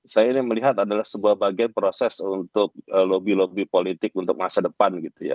saya ini melihat adalah sebuah bagian proses untuk lobby lobby politik untuk masa depan gitu ya